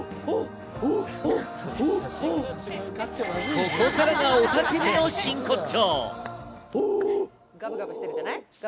ここからが雄たけびの真骨頂。